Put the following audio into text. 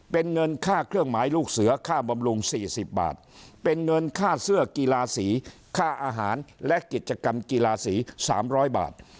เป็นเงินค่าเครื่องหมายลูกเสือค่าบำรุง๔๐บาทเป็นเงินค่าเสื้อกีฬาสีค่าอาหารและกิจกรรมกีฬาสี๓๐๐บาท